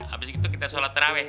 abis itu kita sholat taraweh